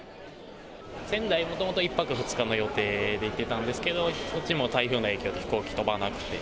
仙台、もともと１泊２日の予定で行ってたんですけど、そっちも台風の影響で飛行機飛ばなくて。